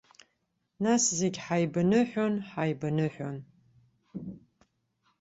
Нас зегьы ҳаибаныҳәон, ҳаибаныҳәон.